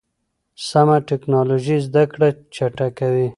سمه ټکنالوژي زده کړه چټکوي.